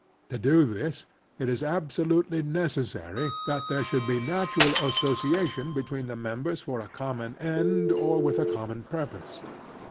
To do this it is absolutely necessary that there should be natural association between the members for a common end ofwilh a common pxirpose.